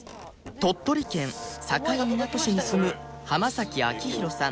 鳥取県境港市に住む濱明洋さん